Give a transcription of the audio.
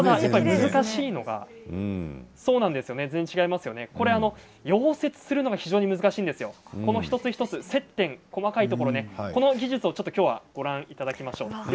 難しいのが溶接するのが非常に難しいんですよ、一つ一つ接点、細かいところこの技術をきょうはご覧いただきましょう。